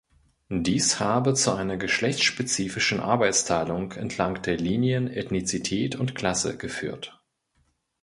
Dies habe zu einer „geschlechtsspezifischen Arbeitsteilung entlang der Linien Ethnizität und Klasse“ geführt.